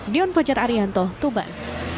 dion pajar arianto tuban